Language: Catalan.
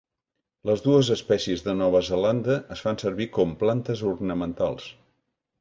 Les dues espècies de Nova Zelanda es fan servir com plantes ornamentals.